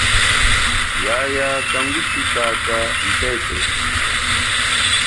Yaya kangu sutata itete.